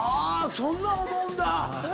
そんなん思うんだ。